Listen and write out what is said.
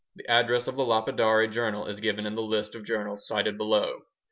(The address of the Lapidary Journal is given in the list of journals cited below.)